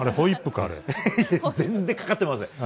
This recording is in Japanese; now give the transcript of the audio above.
全然かかってません。